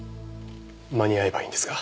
間に合えばいいんですが。